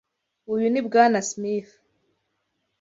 Uyu ni Bwana Smith.